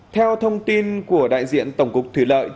theo thông tin của đại diện tổng cục thủy lợi